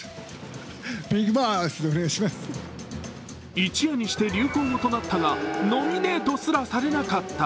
一夜にして流行語となったがノミネートすらされなかった。